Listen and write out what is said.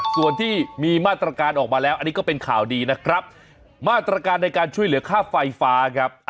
ส่วนที่มีมาตรการออกมาแล้วอันนี้ก็เป็นข่าวดีนะครับมาตรการในการช่วยเหลือค่าไฟฟ้าครับ